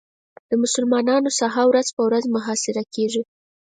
د مسلمانانو ساحه ورځ په ورځ محاصره کېږي.